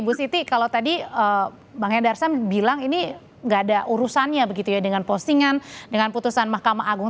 bu siti kalau tadi bang hendarsam bilang ini gak ada urusannya begitu ya dengan postingan dengan putusan mahkamah agung